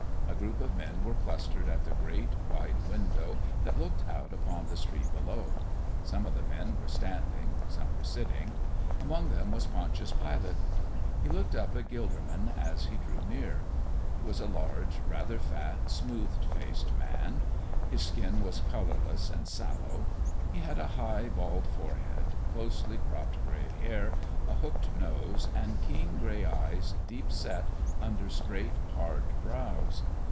A group of men were clustered at the great, wide window that looked out upon the street below. Some of the men were standing, some were sitting. Among them was Pontius Pilate. He looked up at Gilderman as he drew near. He was a large, rather fat, smooth faced man. His skin was colorless and sallow. He had a high, bald forehead, closely cropped gray hair, a hooked nose, and keen, gray eyes deep set under straight, hard brows.